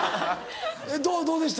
どうでした？